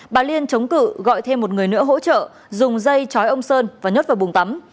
bà liên chống cự gọi thêm một người nữa hỗ trợ dùng dây chói ông sơn và nhất vào bùng tắm